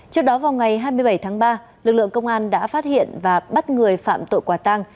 trước đó vào ngày hai mươi bảy tháng ba lực lượng công an đã phát hiện và bắt người phạm tội quả tang